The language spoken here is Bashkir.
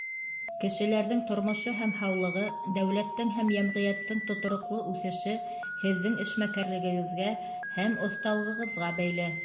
— Кешеләрҙең тормошо һәм һаулығы, дәүләттең һәм йәмғиәттең тотороҡло үҫеше һеҙҙең эшмәкәрлегегеҙгә һәм оҫталығығыҙға бәйле.